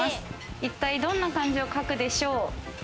一体どんな漢字を書くでしょう？